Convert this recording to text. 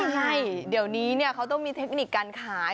ใช่เดี๋ยวนี้เขาต้องมีเทคนิคการขาย